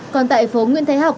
còn tại phố nguyễn thái học